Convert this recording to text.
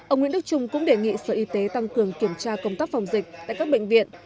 ông nguyễn đức trung cũng đề nghị sở y tế tăng cường kiểm tra công tác phòng dịch tại các bệnh viện